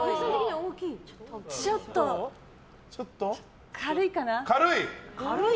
ちょっと軽いかな？